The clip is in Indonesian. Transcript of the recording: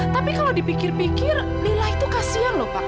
tapi kalau dipikir pikir lila itu kasihan lho pak